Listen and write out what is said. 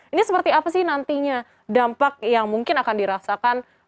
ini seperti apa sih nantinya dampak yang mungkin akan dirasakan